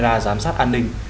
từ các camera giám sát an ninh